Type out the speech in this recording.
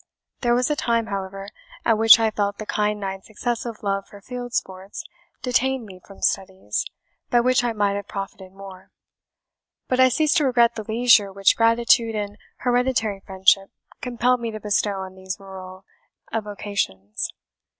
There was a time, however, at which I felt the kind knight's excessive love for field sports detained me from studies, by which I might have profited more; but I ceased to regret the leisure which gratitude and hereditary friendship compelled me to bestow on these rural avocations.